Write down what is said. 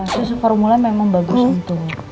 susu formula memang bagus untuk